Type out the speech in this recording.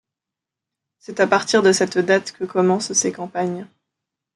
C'est à partir de cette date que commencent ses campagnes.